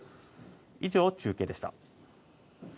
以上、中継でした。